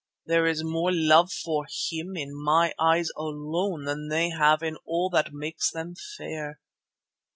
There is more love for him in my eyes alone than they have in all that makes them fair.